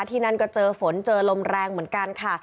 ที่นั่นก็เจอฝนเจอลมแรงเหมือนกันค่ะ